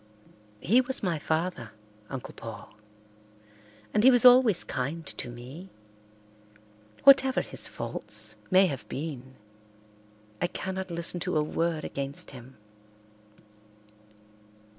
"He was my father, Uncle Paul, and he was always kind to me; whatever his faults may have been I cannot listen to a word against him."